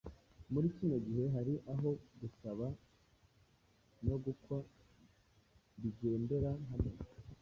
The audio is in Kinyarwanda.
Muri kino gihe hari aho gusaba no gukwa bigendera hamwe.